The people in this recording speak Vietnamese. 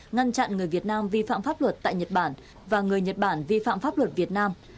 ngăn chặn người việt nam vi phạm pháp luật tại nhật bản và người nhật bản vi phạm pháp luật việt nam